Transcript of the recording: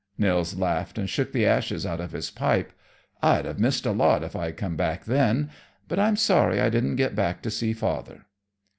Nils laughed and shook the ashes out of his pipe. "I'd have missed a lot if I had come back then. But I'm sorry I didn't get back to see father."